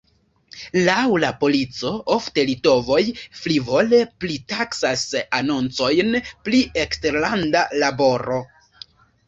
Laŭ la polico, ofte litovoj frivole pritaksas anoncojn pri eksterlanda laboro.